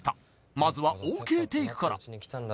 まずはＯＫテイクから